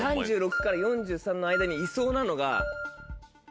３６から４３の間にいそうなのが。